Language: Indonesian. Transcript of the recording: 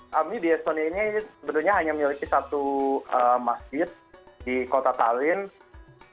kami di estonia ini sebenarnya hanya memiliki satu masjid di kota talin